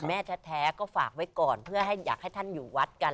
แม่แท้ก็ฝากไว้ก่อนเพื่อให้อยากให้ท่านอยู่วัดกัน